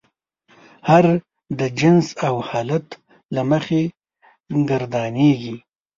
هر د جنس او حالت له مخې ګردانیږي.